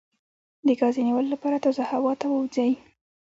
د ګاز د نیولو لپاره تازه هوا ته ووځئ